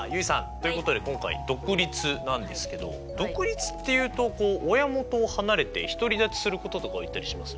ということで今回「独立」なんですけど独立っていうと親元を離れて独り立ちすることとかを言ったりしますよね。